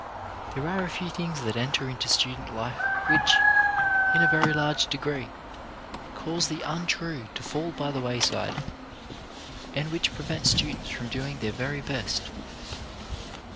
There are a few things that enter into student life which, in a very large degree, cause the untrue to fall by the wayside, and which pre vent students from doing their very best.